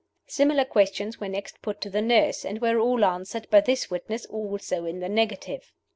Similar questions were next put to the nurse, and were all answered by this witness also in the negative.